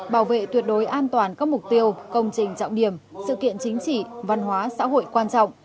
bảo vệ tuyệt đối an toàn các mục tiêu công trình trọng điểm sự kiện chính trị văn hóa xã hội quan trọng